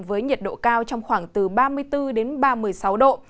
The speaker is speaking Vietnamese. với nhiệt độ cao trong khoảng từ ba mươi bốn đến ba mươi sáu độ